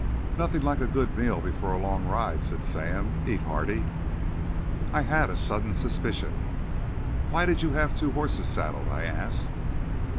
"Nothing like a good meal before a long ride," said Sam. "Eat hearty." I had a sudden suspicion. "Why did you have two horses saddled?" I asked.